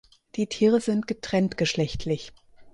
Die Tiere sind getrenntgeschlechtlich.